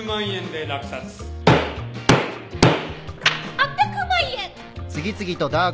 ８００万円。